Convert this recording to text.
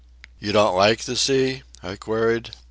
"You don't like the sea?" I queried.